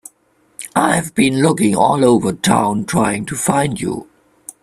I've been looking all over town trying to find you.